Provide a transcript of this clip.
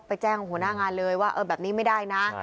แจ้งหัวหน้างานเลยว่าแบบนี้ไม่ได้นะ